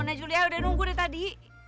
nah julia udah nunggu nih tadi